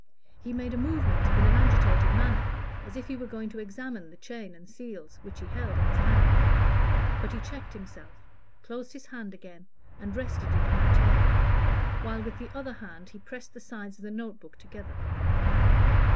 He made a movement in an agitated manner, as if he were going to examine the chain and seals, which he held in his hand. But he checked himself, closed his hand again, and rested it on the table, while with the other hand he pressed the sides of the note book together.